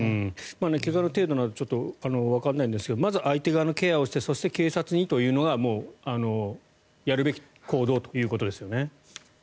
怪我の程度はわからないんですがまず相手側のケアをしてそして警察にということがやるべき行動ということですね。